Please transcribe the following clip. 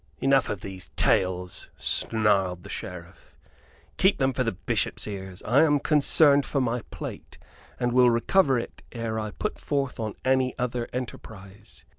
"Enough of these tales," snarled the Sheriff; "keep them for the Bishop's ears. I am concerned for my plate; and will recover it ere I put forth on any other enterprise."